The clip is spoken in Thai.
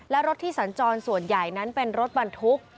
และรถที่สัญจรส่วนใหญ่นั้นเป็นรถบรรทุก